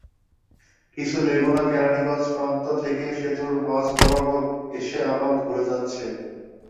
কিছু লেগুনা কেরানীগঞ্জ প্রান্ত থেকে সেতুর মাঝ বরাবর এসে আবার ঘুরে যাচ্ছে।